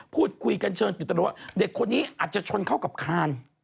พูดคุยกันเชิญติดตลอดว่าเด็กคนนี้อาจจะชนเข้ากับคาน